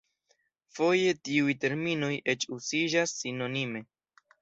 Foje tiuj terminoj eĉ uziĝas sinonime.